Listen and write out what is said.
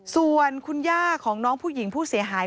ส่วนคุณย่าของน้องผู้หญิงผู้เสียหาย